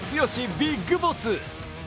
ビッグボス。